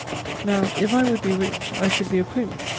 Now if I would be rich, I could be a prince.